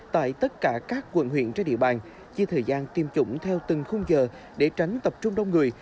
tại tất cả các quận huyện trên địa bàn chia thời gian tiêm chủng theo từng khung giờ để tránh tập trung đông người